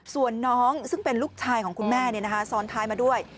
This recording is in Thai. ส่วนน้องซึ่งเป็นลูกชายของคุณแม่ซ้อนท้ายมาด้วย